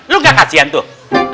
lo gak kasihan tuh